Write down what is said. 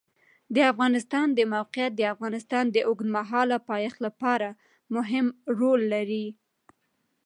د افغانستان د موقعیت د افغانستان د اوږدمهاله پایښت لپاره مهم رول لري.